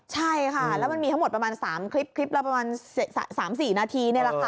ใช่ค่ะแล้วมันมีทั้งหมดประมาณ๓คลิปคลิปละประมาณ๓๔นาทีนี่แหละค่ะ